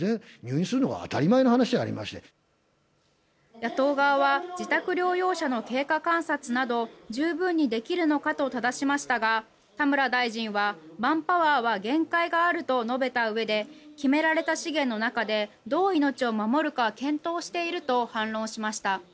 野党側は自宅療養者の経過観察など十分にできるのかとただしましたが田村大臣はマンパワーは限界があると述べたうえで決められた資源の中でどう命を守るか検討していると反論しました。